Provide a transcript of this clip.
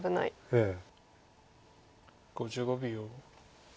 ええ。